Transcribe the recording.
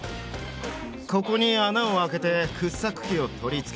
ここに穴を開けて掘削機を取り付ける。